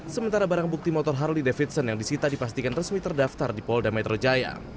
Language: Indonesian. sementara barang bukti motor harley davidson yang disita dipastikan resmi terdaftar di polda metro jaya